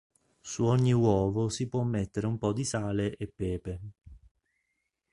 Su ogni uovo si può mettere un po' di sale e pepe.